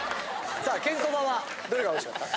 さあケンコバはどれがおいしかった？